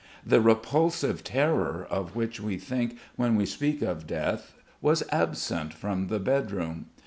The repulsive terror of which we think when we speak of death was absent from the bed room.